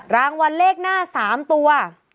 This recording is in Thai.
รางวัลเลขหน้า๓ตัว